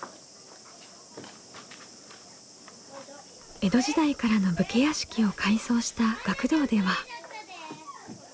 江戸時代からの武家屋敷を改装した学童では。